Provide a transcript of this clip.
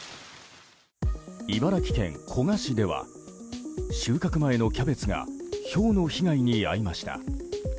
茨城県古河市では収穫前のキャベツがひょうの被害に遭いました。